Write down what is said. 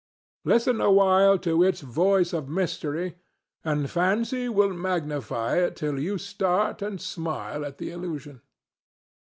Listen a while to its voice of mystery, and Fancy will magnify it till you start and smile at the illusion.